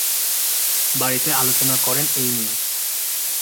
বাড়িতে আলোচনা করেন এই নিয়ে।